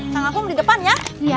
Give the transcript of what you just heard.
tangapung di depannya